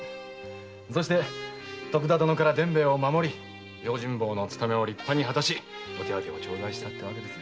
そして徳田殿から伝兵衛を守り用心棒の務めを立派に果たしお手当てを頂戴したってわけです。